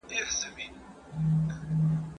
موږ کولای سو د خلګو ترمنځ اړیکي پیاوړي کړو.